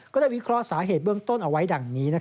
วิเคราะห์สาเหตุเบื้องต้นเอาไว้ดังนี้